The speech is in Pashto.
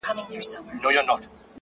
زه په دې خپل سركــي اوبـــه څـــښـمــه ـ